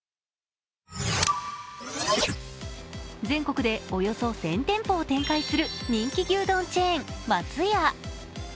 全国でおよそ１０００店舗を展開する人気牛丼チェーン、松屋。